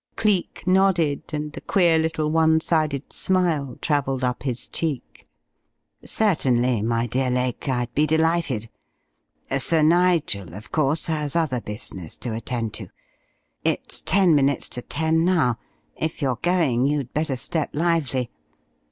Cleek nodded, and the queer little one sided smile travelled up his cheek. "Certainly, my dear Lake. I'd be delighted. Sir Nigel, of course, has other business to attend to. It's ten minutes to ten now. If you're going you'd better step lively.